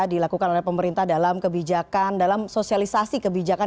dilakukan oleh pemerintah dalam kebijakan dalam sosialisasi kebijakan